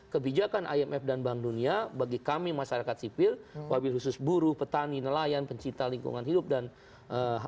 kebijakan imf dan bank dunia bagi kami masyarakat sipil wabil khusus buruh petani nelayan pencipta lingkungan hidup dan masyarakat